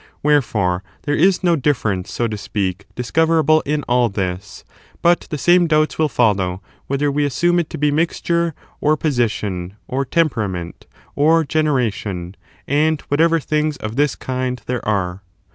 Wherefore, there is no difference, so to speak, dis coverable in all this; but the same doubts will follow whether we assume it to be mixture, or position, or temperament, or generation, and whatever things of this kind there are.